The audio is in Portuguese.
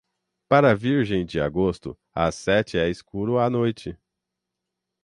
Para a Virgem de agosto, às sete é escuro à noite.